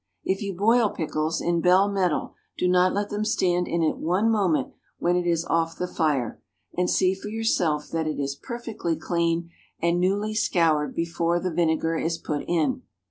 If you boil pickles in bell metal, do not let them stand in it one moment when it is off the fire; and see for yourself that it is perfectly clean and newly scoured before the vinegar is put in.